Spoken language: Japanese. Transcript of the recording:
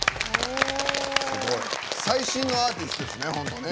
最新のアーティストですね。